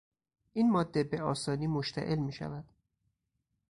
این ماده به آسانی مشتعل میشود